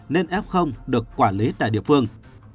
nên ép không được quản lý tại địa phương